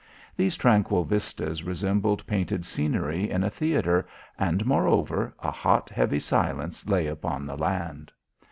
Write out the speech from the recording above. These tranquil vistas resembled painted scenery in a theatre, and, moreover, a hot, heavy silence lay upon the land.